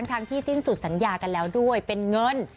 ทั้งที่สิ้นสุดสัญญากันแล้วด้วยเป็นเงิน